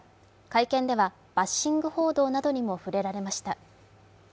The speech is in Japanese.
会見ではバッシング報道などにも触れられました。